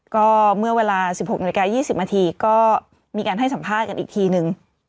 ก็เมื่อเวลา๑๖นาฬิกา๒๐นาทีก็มีการให้สัมภาษณ์กันอีกทีนึง